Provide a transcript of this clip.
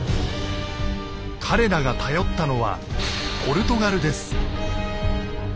彼らが頼ったのはポルトガルです。